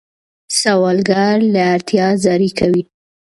سوالګر له اړتیا زاری کوي